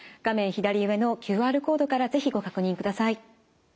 左上のＱＲコードから是非ご確認ください。